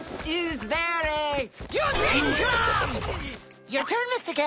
いいですか？